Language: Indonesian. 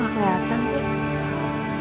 kok gak keliatan sih